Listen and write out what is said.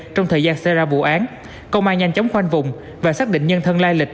trong thời gian xảy ra vụ án công an nhanh chóng khoanh vùng và xác định nhân thân lai lịch